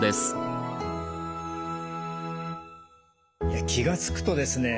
いや気が付くとですね